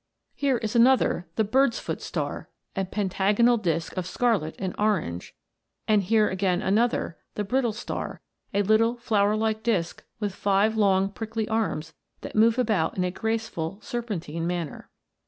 * Here is another, a pentagonal disc of scarlet and orange ;t and here again another, a little flower like disc with five long prickly arms that move about in a graceful serpentine manner.